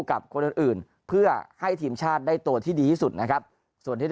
กับคนอื่นเพื่อให้ทีมชาติได้ตัวที่ดีที่สุดนะครับส่วนที่